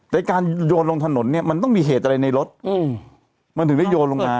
แต่การโยนลงถนนเนี่ยมันต้องมีเหตุอะไรในรถมันถึงได้โยนลงมา